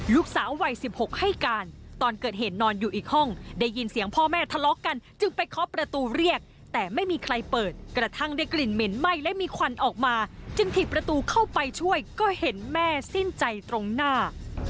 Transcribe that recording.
ลูกสาววัย๑๖ให้การตอนเกิดเหตุนอนอยู่อีกห้องได้ยินเสียงพ่อแม่ทะเลาะกันจึงไปเคาะประตูเรียกแต่ไม่มีใครเปิดกระทั่งได้กลิ่นเหม็นไหม้และมีควันออกมาจึงถีบประตูเข้าไปช่วยก็เห็นแม่สิ้นใจตรงหน้า